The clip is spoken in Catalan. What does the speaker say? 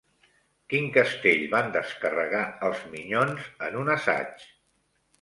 Quin castell van descarregar els Minyons en un assaig?